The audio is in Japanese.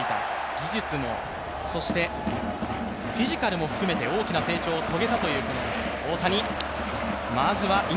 技術もそしてフィジカルも含めて大きな成長を遂げたという大谷。